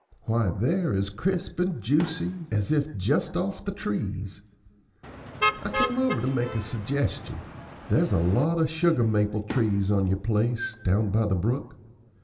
Why, they're as crisp and juicy as if just off the trees. I came over to make a suggestion. There's a lot of sugar maple trees on your place, down by the brook.